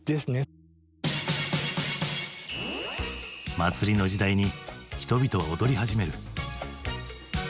祭りの時代に人々は踊り始める。